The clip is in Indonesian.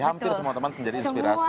hampir semua teman menjadi inspirasi